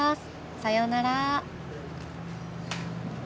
さようなら。